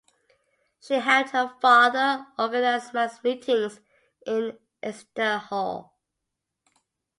She helped her father organize mass meetings in Exeter Hall.